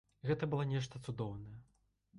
Гэта было нешта цудоўнае.